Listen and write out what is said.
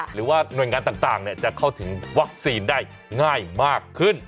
หรือว่าหน่วยงานต่างจะเข้าถึงวัคซีนได้ง่ายมากขึ้น